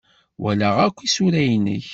Walaɣ akk isura-nnek.